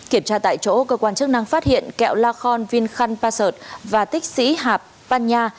kiểm tra tại chỗ cơ quan chức năng phát hiện kẹo la khon vinh khăn passort và tích sĩ hạp pan nha